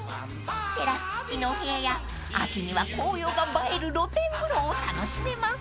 ［テラス付きのお部屋や秋には紅葉が映える露天風呂を楽しめます］